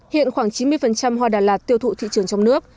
hiện khoảng chín mươi hoa đà lạt tiêu thụ thị trường trong nước